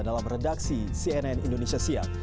dalam redaksi cnn indonesia siang